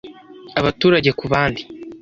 abaturage ku bandi